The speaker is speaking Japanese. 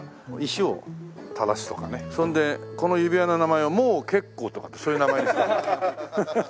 それでこの指輪の名前は「モー結構」とかってそういう名前に。